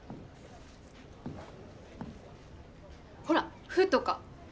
ほら「ふ」とか。